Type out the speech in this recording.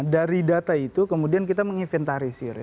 dari data itu kemudian kita meng inventarisir ya